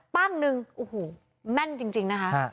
ปั้งหนึ่งโอวหูแม่นจริงจริงนะคะครับ